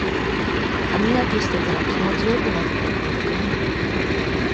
ハミガキしてたら気持ちよくなって眠くなる